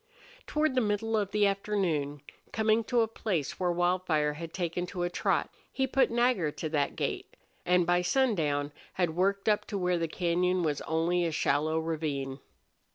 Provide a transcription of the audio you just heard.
Toward the middle of the afternoon, coming to a place where Wildfire had taken to a trot, he put Nagger to that gait, and by sundown had worked up to where the cañon was only a shallow ravine.